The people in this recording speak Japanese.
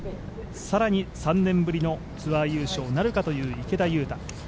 更に３年ぶりのツアー優勝なるかという池田勇太。